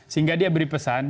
sehingga dia beri pesan